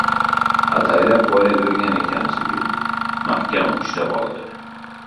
Ataylab poylab turgan ekan shekilli, mahkam ushlab oldi.